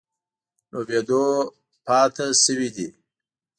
لوبېدو پاتې شوي دي.